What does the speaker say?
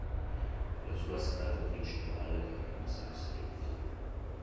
La sua strada principale è Ramsay Street.